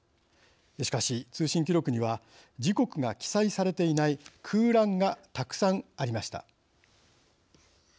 しかし通信記録には時刻が記載されていない空欄がたくさんありました。